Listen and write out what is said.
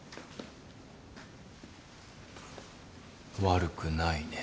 悪くないね。